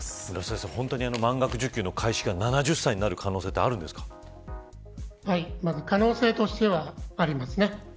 先生、満額受給の開始が７０歳になる可能性は可能性としてはありますね。